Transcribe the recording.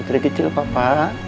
mikirnya kecil papa